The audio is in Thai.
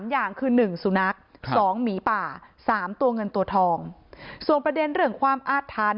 อย่างคือ๑สุนัท๒หมีป่า๓ตัวเงินตัวทองส่วนประเด็นเรื่องความอาทัน